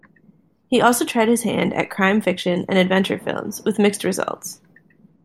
He also tried his hand at crime fiction and adventure films, with mixed results.